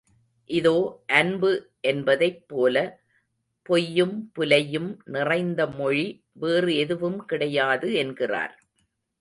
இதோ அன்பு என்பதைப் போல, பொய்யும் புலையும் நிறைந்த மொழி, வேறு எதுவும் கிடையாது என்கிறார்.